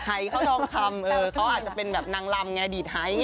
ไฮทองคำเขาอาจจะเป็นนางลำไงดีดไฮ